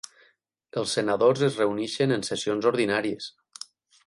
Els senadors es reuneixen en sessions ordinàries.